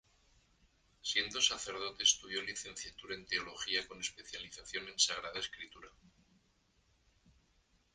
Siendo sacerdote estudió Licenciatura en Teología con especialización en Sagrada Escritura.